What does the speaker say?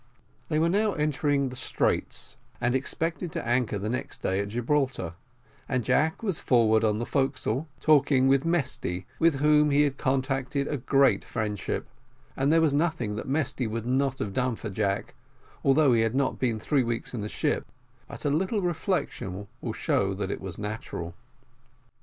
They were now entering the Straits, and expected to anchor the next day at Gibraltar, and Jack was forward on the forecastle, talking with Mesty, with whom he had contracted a great friendship, for there was nothing that Mesty would not have done for Jack, although he had not been three weeks in the ship; but a little reflection will show that it was natural.